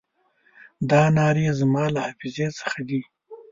دا نارې زما له حافظې څخه دي.